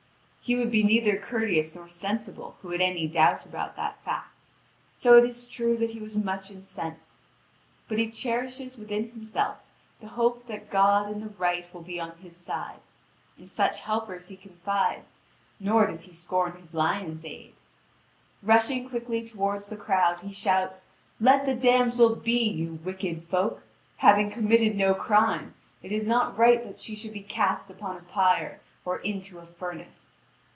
He would be neither courteous nor sensible who had any doubt about that fact. So it is true that he was much incensed; but he cherishes within himself the hope that God and the Right will be on his side. In such helpers he confides; nor does he scorn his lion's aid. Rushing quickly toward the crowd, he shouts: "Let the damsel be, you wicked folk! Having committed no crime, it is not right that she should be cast upon a pyre or into a furnace."